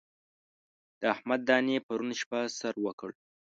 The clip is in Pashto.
د احمد دانې پرون شپه سر وکړ.